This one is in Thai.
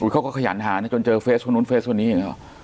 เขาก็ขยันหานะจนเจอเฟสคนนู้นเฟสคนนี้อย่างนี้หรอ